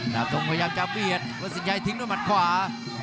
บทงพยายามจะเบียดวัดสินชัยทิ้งด้วยมัดขวา